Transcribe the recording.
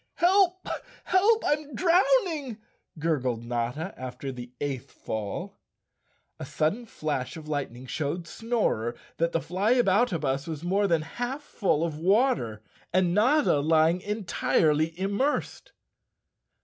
"HelpI Help! I'm drowning," gurgled Notta after the eighth fall. A sudden flash of lightning showed Snorer that the Flyaboutabus was more than half full of water, and Notta lying entirely immersed.